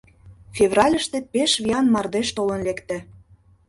Февральыште пеш виян мардеж толын лекте.